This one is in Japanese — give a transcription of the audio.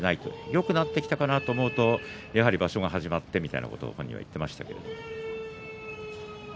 よくなってきたかなと思うとやはり場所が始まってみたいなことを本人が言っていました。